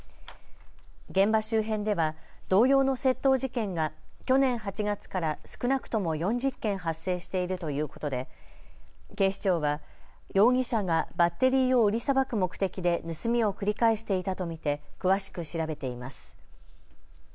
現場周辺では同様の窃盗事件が去年８月から少なくとも４０件発生しているということで警視庁は容疑者がバッテリーを売りさばく目的で盗みを繰り返していたと見て詳しく調べています。